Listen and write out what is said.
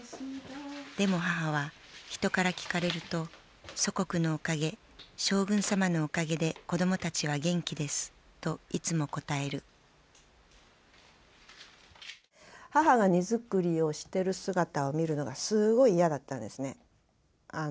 でも母は人から聞かれると「祖国のおかげ将軍様のおかげで子供たちは元気です」といつも答える母が荷造りをしてる姿を見るのがすごい嫌だったんですね。